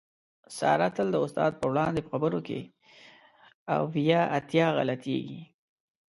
ساره تل د استاد په وړاندې په خبرو کې اویا اتیا غلطېږي.